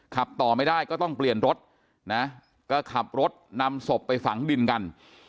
ขับต่อไม่ได้ก็ต้องเปลี่ยนรถนะก็ขับรถนำศพไปฝังดินกัน